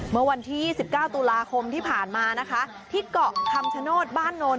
เมื่อวันที่๑๙ตุลาคมที่ผ่านมานะคะที่เกาะคำชโนธบ้านนนท